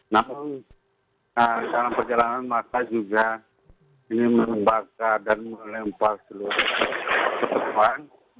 namun dalam perjalanan masa juga ini membakar dan melempar seluruh kebutuhan